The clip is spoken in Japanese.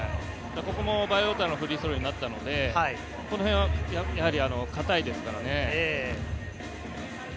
ここもバイウォーターのフリースローになったので、ここはかたいですからね。